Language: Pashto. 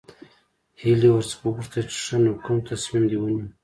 هيلې ورڅخه وپوښتل چې ښه نو کوم تصميم دې ونيو.